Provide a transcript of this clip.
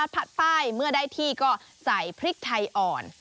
ผัดไฟล์เมื่อได้ที่ก็ใส่พริกไทยอ่อน